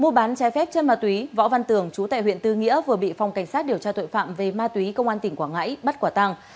mua bán trái phép chân ma túy võ văn tường chú tại huyện tư nghĩa vừa bị phòng cảnh sát điều tra tội phạm về ma túy công an tỉnh quảng ngãi bắt quả tăng